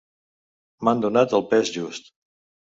M'han donat el pes just.